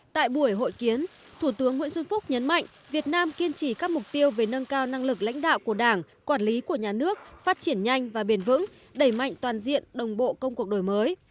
tại buổi hội kiến thủ tướng nguyễn xuân phúc nhấn mạnh việt nam kiên trì các mục tiêu về nâng cao năng lực lãnh đạo của đảng quản lý của nhà nước phát triển nhanh và bền vững đẩy mạnh toàn diện đồng bộ công cuộc đổi mới